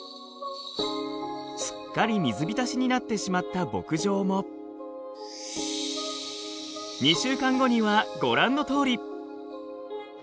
すっかり水浸しになってしまった牧場も２週間後にはご覧のとおり。